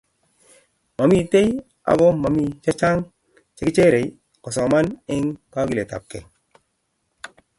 Momitei ago mi chechang chekecherei kosoman eng kogiletabkei